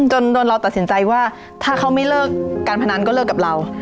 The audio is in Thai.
จนโดนเราตัดสินใจว่าถ้าเขาไม่เลิกการพนันก็เลิกกับเรา